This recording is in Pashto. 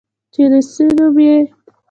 چې روسي نوم ئې Bratstvoدے